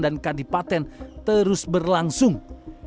dan kesalahan dari tkd terus berlangsung